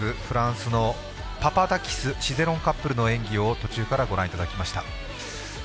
フランスのパパダキス・シゼロンカップルの演技を途中からご覧いただきました。